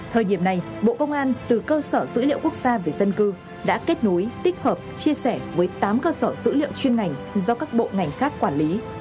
thời điểm này bộ công an từ cơ sở dữ liệu quốc gia về dân cư đã kết nối tích hợp chia sẻ với tám cơ sở dữ liệu chuyên ngành do các bộ ngành khác quản lý